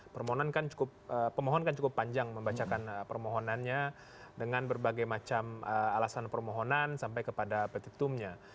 permohonan kan cukup panjang membacakan permohonannya dengan berbagai macam alasan permohonan sampai kepada petitumnya